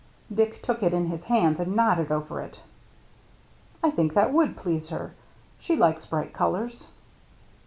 Dick took it in his hands and nodded over it. " I think that would please her. She likes bright colors."